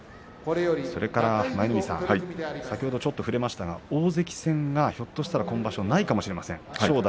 舞の海さん、先ほどちょっと触れましたが大関戦がひょっとしたら今場所ないかもしれません正代